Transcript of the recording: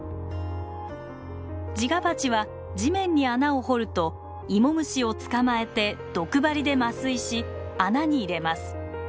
ジガバチは地面に穴を掘るとイモムシを捕まえて毒針で麻酔し穴に入れます。